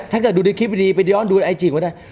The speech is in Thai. ถ้าเกิดดูในคลิปดีไปย้อนดูไอจีก็ได้